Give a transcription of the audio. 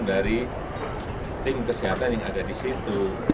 jadi tim kesehatan yang ada di situ